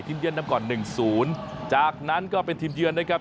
ทีมเยี่ยมนำก่อนหนึ่งศูนย์จากนั้นก็เป็นทีมเยี่ยมนะครับ